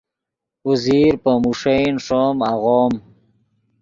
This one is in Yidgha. اوزیر پے موݰین ݰوم آغوم